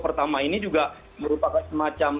pertama ini juga merupakan semacam